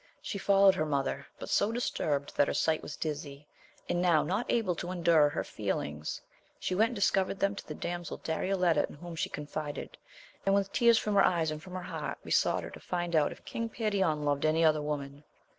She followed her mother, but so disturbed that her sight was dizzy, and now not able to endure her feel ings, she went and discovered them to the damsel Darioleta in whom she confided, and with tears from her eyes and from her heart, besought her to find out if King Perion loved any other woman.